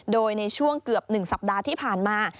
โดยในช่วงเกือบ๑สัปดาห์ที่ผ่านมา